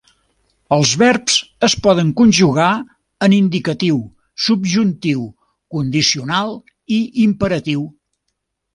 Els verbs es poden conjugar en indicatiu, subjuntiu, condicional i imperatiu.